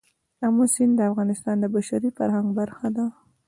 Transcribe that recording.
آمو سیند د افغانستان د بشري فرهنګ برخه ده.